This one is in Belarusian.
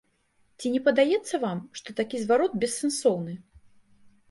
Ці не падаецца вам, што такі зварот бессэнсоўны?